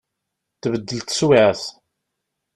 Tbeddel teswiɛt.